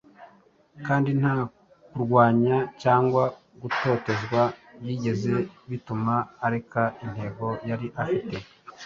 kandi nta kurwanywa cyangwa gutotezwa byigeze bituma areka intego yari afite.